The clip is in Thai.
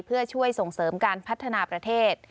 เพื่อช่วยส่งเสริมการพัฒนาประเทศ